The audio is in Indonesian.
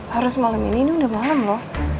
harus malam ini ini udah malam loh